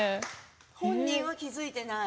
本人は気付いていない。